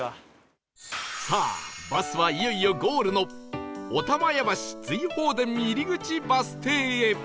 さあバスはいよいよゴールの霊屋橋・瑞鳳殿入口バス停へ